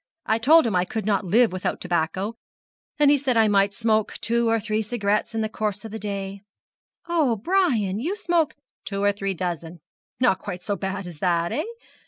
I told him I could not live without tobacco, and he said I might smoke two or three cigarettes in the course of the day ' 'Oh, Brian, and you smoke ' 'Two or three dozen! Not quite so bad as that, eh?